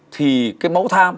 thì cái máu tham